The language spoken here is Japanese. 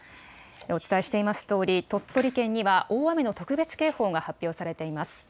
お伝えしていますとおり、鳥取県には大雨の特別警報が発表されています。